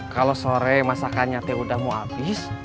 kalau sore masakannya teh udah mau habis